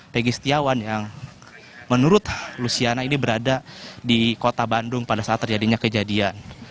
tegi setiawan yang menurut luciana ini berada di kota bandung pada saat terjadinya kejadian